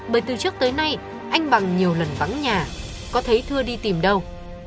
bởi từ trước tới nay anh bằng nhiều lần vắng nhà có thấy thưa đi tìm đâu